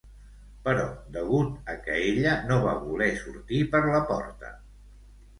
Però degut a que ella no va voler sortir per la porta.